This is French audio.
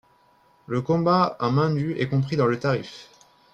Le combats à main nu est compris dans le tarif